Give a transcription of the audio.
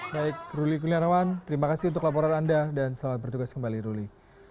baik ruli kulianawan terima kasih untuk laporan anda dan selamat bertugas kembali ruli